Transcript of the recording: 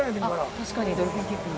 確かに、ドルフィンキック。